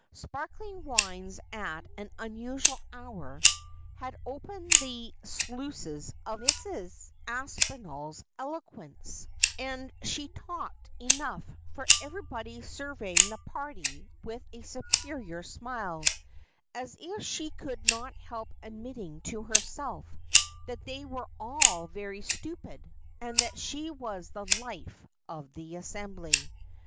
Sparkling wines at an unusual hour had opened the sluices of Mrs. Aspinail's eloquence, and she talked enough for everybody, surveying the party with a superior smile, as if she could not help admitting to herself that they were all very stupid, and that she was the life of the assembly.